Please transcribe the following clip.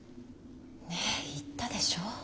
ねえ言ったでしょう。